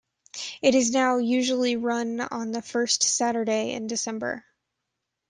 It is now usually run on the first Saturday in December.